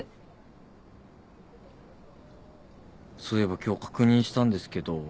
そういえば今日確認したんですけど